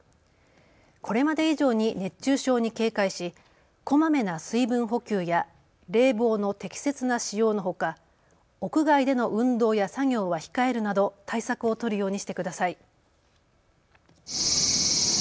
これまで以上に熱中症に警戒しこまめな水分補給や冷房の適切な使用のほか屋外での運動や作業は控えるなど対策を取るようにしてください。